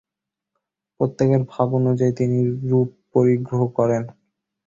প্রত্যেকের ভাব অনুযায়ী তিনি রূপ পরিগ্রহ করেন।